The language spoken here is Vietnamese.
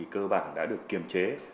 cơ bản đã được kiềm chế